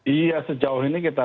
iya sejauh ini kita